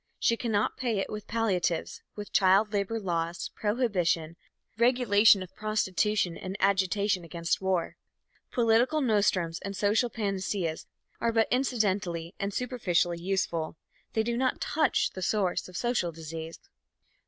She cannot pay it with palliatives with child labor laws, prohibition, regulation of prostitution and agitation against war. Political nostrums and social panaceas are but incidentally and superficially useful. They do not touch the source of the social disease.